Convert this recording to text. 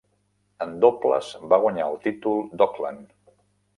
En dobles va guanyar el títol d'Auckland.